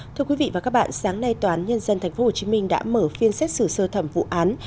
thưa quý vị và các bạn sáng nay tòa án nhân dân tp hcm đã mở phiên xét xử sơ thẩm vụ án